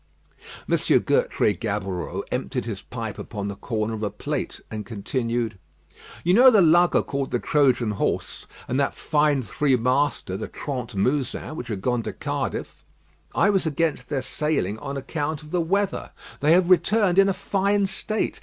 M. Gertrais Gaboureau emptied his pipe upon the corner of a plate and continued: "You know the lugger called the Trojan Horse, and that fine three master, the Trentemouzin, which are gone to Cardiff? I was against their sailing on account of the weather. They have returned in a fine state.